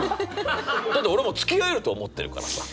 だって俺もう付き合えると思ってるからさ。